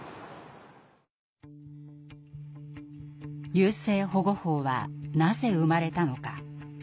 優生保護法はなぜ生まれたのか。